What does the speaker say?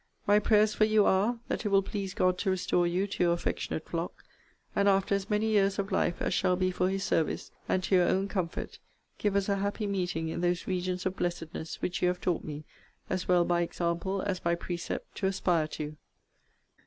My prayers for you are, that it will please God to restore you to your affectionate flock; and after as many years of life as shall be for his service, and to your own comfort, give us a happy meeting in those regions of blessedness, which you have taught me, as well by example, as by precept, to aspire to!